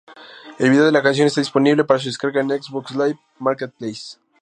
El video de la canción está disponible para su descarga en Xbox Live Marketplace.